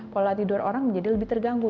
pola tidur orang menjadi lebih terganggu